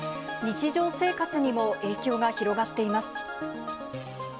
日常生活にも影響が広がっています。